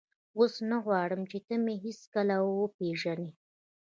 اوس نه غواړم چې ته مې هېڅکله وپېژنې.